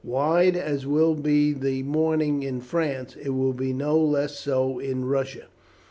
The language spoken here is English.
Wide as will be the mourning in France, it will be no less so in Russia.